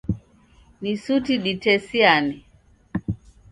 Ni suti ditesiane.